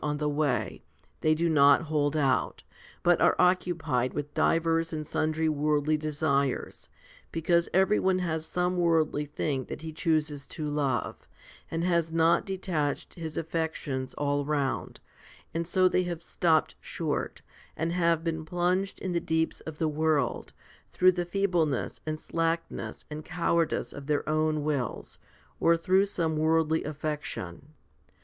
HOMILY V 43 on the way, they do not hold out, but are occupied with divers and sundry worldly desires, because every one has some worldly thing that he chooses to love, and has not detached his affections all round, and so they have stopped short, and have been plunged in the deeps of the world, through the feebleness and slackness and cowardice of their own wills, or through some worldly affection.